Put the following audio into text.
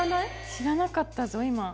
知らなかったぞ今。